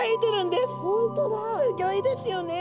すギョいですよね。